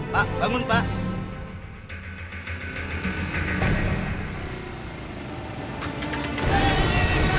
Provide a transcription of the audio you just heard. pak bangun pak